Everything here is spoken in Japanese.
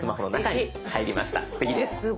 すてきです。